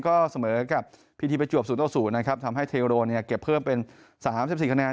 ก็เสมอกับพีทีประจวบ๐นะครับทำให้เทโรเนี่ยเก็บเพิ่มเป็น๓๔คะแนน